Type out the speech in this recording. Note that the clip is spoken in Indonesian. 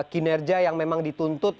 kinerja yang memang dituntut